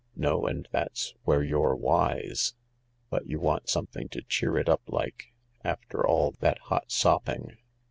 " No, and that's where you're wise. But you want something to cheer it up like, after all that hot sopping.